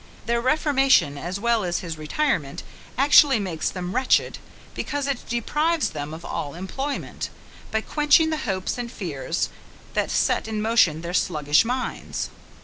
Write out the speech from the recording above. Their reformation as well as his retirement actually makes them wretched, because it deprives them of all employment, by quenching the hopes and fears that set in motion their sluggish minds.